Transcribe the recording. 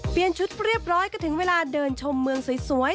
ชุดเรียบร้อยก็ถึงเวลาเดินชมเมืองสวย